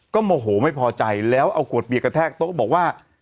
โมโหไม่พอใจแล้วเอาขวดเบียร์กระแทกโต๊ะบอกว่า